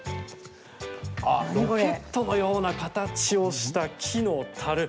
ロケットのような形をした木のたる。